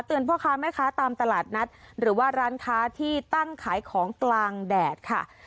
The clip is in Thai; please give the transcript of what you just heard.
พ่อค้าแม่ค้าตามตลาดนัดหรือว่าร้านค้าที่ตั้งขายของกลางแดดค่ะ